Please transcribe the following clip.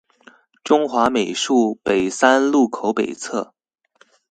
中華美術北三路口北側